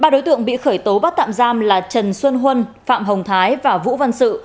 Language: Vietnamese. ba đối tượng bị khởi tố bắt tạm giam là trần xuân huân phạm hồng thái và vũ văn sự